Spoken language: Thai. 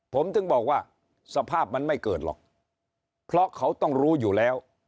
ผมถึงบอกว่าสภาพมันไม่เกิดหรอกเพราะเขาต้องรู้อยู่แล้ว